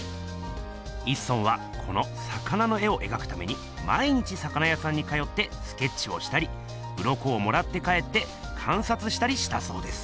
一村はこの魚の絵をえがくために毎日魚やさんに通ってスケッチをしたりウロコをもらって帰ってかんさつしたりしたそうです。